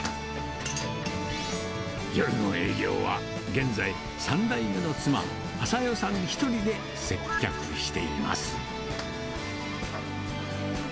夜の営業は現在、３代目の妻、朝代さん１人で接客しています。